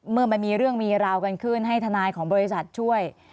เมื่อมันมีเรื่องมีราวกันขึ้นให้ทนายของบริษัทช่วย